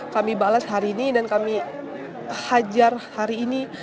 kami balas hari ini dan kami hajar hari ini